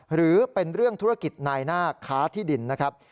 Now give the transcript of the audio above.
หรือเป็นเรื่องธุรกิจนายหน้าค้าที่ดินนะครับ